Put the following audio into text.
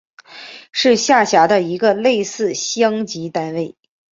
是下辖的一个类似乡级单位。